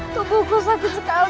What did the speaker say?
tepuk kutu sakit sekal